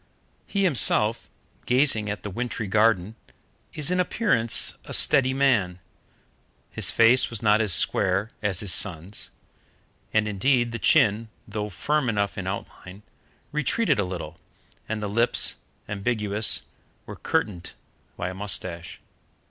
He himself, gazing at the wintry garden, is in appearance a steady man. His face was not as square as his son's, and, indeed, the chin, though firm enough in outline, retreated a little, and the lips, ambiguous, were curtained by a moustache.